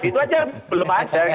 itu aja belum ada